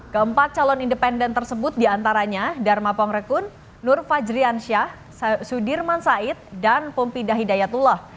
keempat calon independen tersebut diantaranya dharma pongrekun nur fajriansyah sudirman said dan pompinda hidayatullah